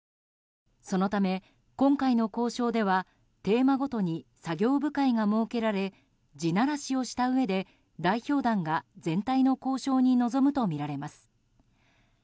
そのため、今回の交渉ではテーマごとに作業部会が設けられ地ならしをしたうえで代表団が全体の交渉に臨むとみられます。